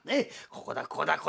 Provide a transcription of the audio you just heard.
ここだここだここだ。